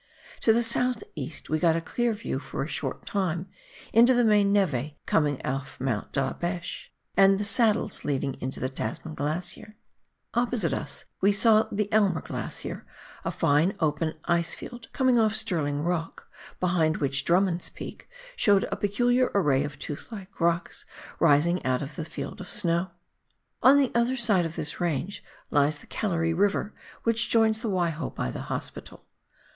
To the south east we got a clear view for a short time into the main neve coming off Mount De la Beche and the saddles leading into the Tasman Glacier. Opposite us was the Aimer Glacier, a fine open icefield coming off Stirling Rock, behind which Drummond's Peak showed a peculiar array of tooth like rocks rising out of a field of snow. On the other side of this range lies the Gallery Hiver, which joins the Waiho by the Hospital.